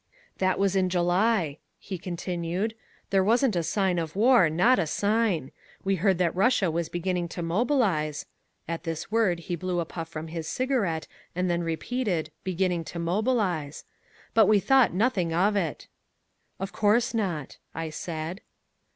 "That was in July," he continued. "There wasn't a sign of war, not a sign. We heard that Russia was beginning to mobilize," (at this word be blew a puff from his cigarette and then repeated "beginning to mobilize") "but we thought nothing of it." "Of course not," I said.